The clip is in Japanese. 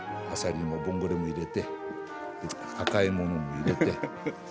あさりもボンゴレも入れて赤いものも入れて。